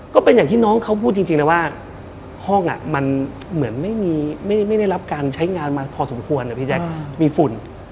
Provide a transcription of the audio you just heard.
ก็เป็นอย่างที่น้องเขาพูดจริงนะว่าห้องมันเหมือนไม่ได้รับการใช้งานมาพอสมควรนะพี่แจ๊คมีฝุ่น